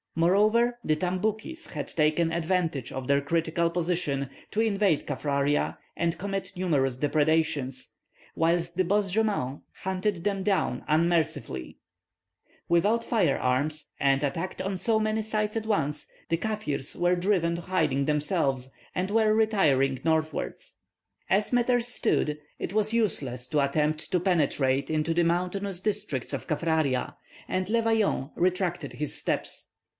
Moreover the Tamboukis had taken advantage of their critical position to invade Kaffraria and commit numerous depredations, whilst the Bosjemans hunted them down unmercifully. Without fire arms, and attacked on so many sides at once, the Kaffirs were driven to hiding themselves, and were retiring northwards. [Illustration: A Kaffir woman. (Fac simile of early engraving.)] As matters stood it was useless to attempt to penetrate into the mountainous districts of Kaffraria, and Le Vaillant retraced his steps.